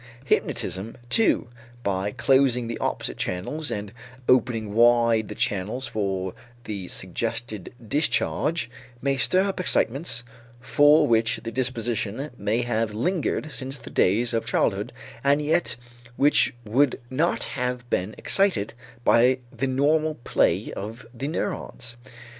Hypnotism, too, by closing the opposite channels and opening wide the channels for the suggested discharge, may stir up excitements for which the disposition may have lingered since the days of childhood and yet which would not have been excited by the normal play of the neurons.